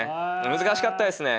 難しかったですね。